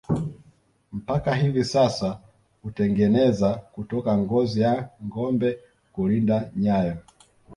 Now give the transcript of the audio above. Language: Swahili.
Mpaka hivi sasa hutengeneza kutoka ngozi ya ngombe kulinda nyayo